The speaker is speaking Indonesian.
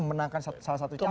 memenangkan salah satu calon